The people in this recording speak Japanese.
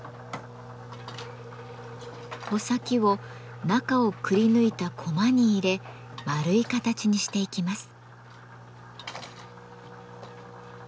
穂先を中をくりぬいたコマに入れ丸い形にしていきます。